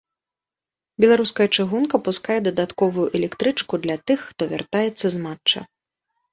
Беларуская чыгунка пускае дадатковую электрычку для тых, хто вяртаецца з матча.